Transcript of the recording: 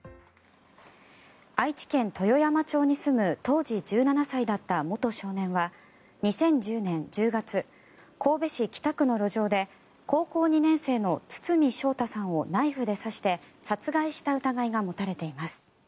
愛知県豊山町に住む当時１７歳だった元少年は２０１０年１０月神戸市北区の路上で高校２年生の堤将太さんをナイフで刺して殺害した疑いが持たれています。